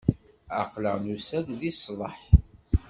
Aql-aɣ nusa-d di ṣṣḍeḥ.